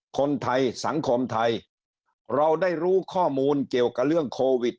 คนไทยสังคมไทยเราได้รู้ข้อมูลเกี่ยวกับเรื่องโควิด